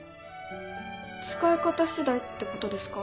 使い方次第ってことですか？